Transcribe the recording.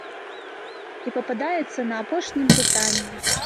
І пападаецца на апошнім пытанні.